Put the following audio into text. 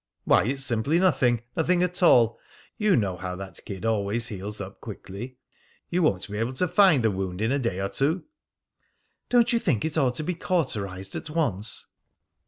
"Why, it's simply nothing. Nothing at all. You know how that kid always heals up quickly. You won't be able to find the wound in a day or two." "Don't you think it ought to be cauterised at once?"